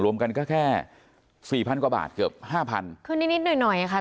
รวมกันก็แค่สี่พันกว่าบาทเกือบห้าพันคือนิดหน่อยค่ะ